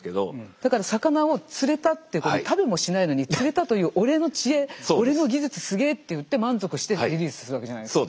だから魚を釣れたって食べもしないのに釣れたという俺の知恵俺の技術すげっていって満足してリリースするわけじゃないですか。